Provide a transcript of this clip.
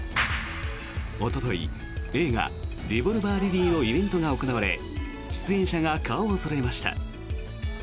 おととい映画「リボルバー・リリー」のイベントが行われ出演者が顔をそろえました。